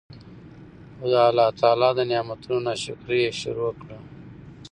خو د الله تعالی د نعمتونو نا شکري ئي شروع کړه